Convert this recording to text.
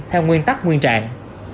theo nguyên tắc nguyên trạng